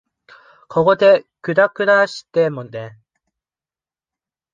ここでぐだぐだしてもね。